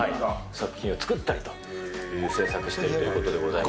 作品を作ったりという、制作をしているということでございます。